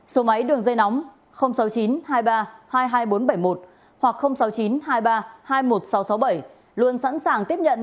số máy đường dây nóng sáu mươi chín hai mươi ba hai mươi hai nghìn bốn trăm bảy mươi một hoặc sáu mươi chín hai mươi ba hai mươi một nghìn sáu trăm sáu mươi bảy luôn sẵn sàng tiếp nhận